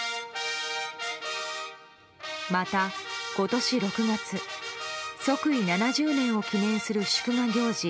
また、今年６月即位７０年を記念する祝賀行事